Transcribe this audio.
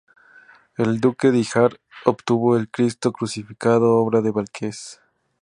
El duque de Híjar obtuvo el "Cristo crucificado", obra de Velázquez.